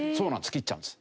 切っちゃうんです。